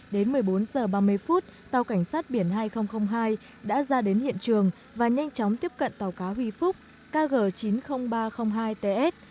đến một mươi bốn h ba mươi phút tàu cảnh sát biển hai nghìn hai đã ra đến hiện trường và nhanh chóng tiếp cận tàu cá huy phúc kg chín mươi nghìn ba trăm linh hai ts